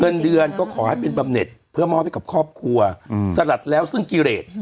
เงินเดือนก็ขอให้เป็นบำเน็ตเพื่อมอบให้กับครอบครัวสลัดแล้วซึ่งกิเรท